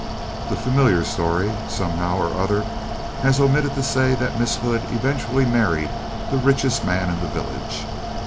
The familiar story, somehow or other, has omitted to say that Miss Hood eventually married the richest man in the village.